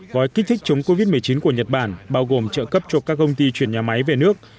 gói kích thích chống covid một mươi chín của nhật bản bao gồm trợ cấp cho các công ty chuyển nhà máy về nước